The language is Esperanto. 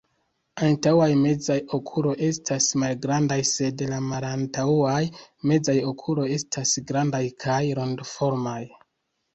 Antaŭaj mezaj okuloj estas malgrandaj, sed la malantaŭaj mezaj okuloj estas grandaj kaj rondoformaj.